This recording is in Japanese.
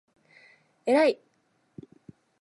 えらい！！！！！！！！！！！！！！！